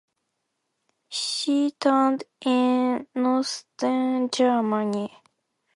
She toured in Northern Germany.